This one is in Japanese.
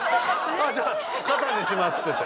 「ああじゃあ肩にします」って言って。